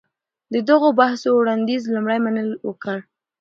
د دغو بحثو وړانديز لومړی منلي وکړ.